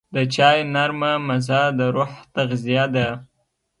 د چای نرمه مزه د روح تغذیه ده.